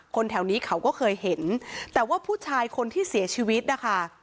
แถวนี้เขาก็เคยเห็นแต่ว่าผู้ชายคนที่เสียชีวิตนะคะ